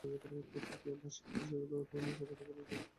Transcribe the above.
বাসায় ফিরে টুনি যদি সবাইকে বলে দেয়, তাহলে বাবা ওকেই বকা দেবেন।